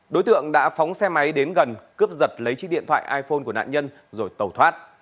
đối tượng đã phóng xe máy đến gần cướp giật lấy chiếc điện thoại iphone của nạn nhân rồi tẩu thoát